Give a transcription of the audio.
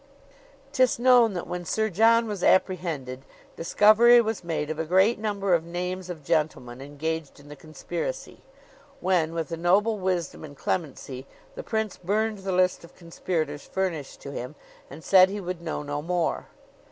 'Tis known that when Sir John was apprehended, discovery was made of a great number of names of gentlemen engaged in the conspiracy; when, with a noble wisdom and clemency, the Prince burned the list of conspirators furnished to him, and said he would know no more.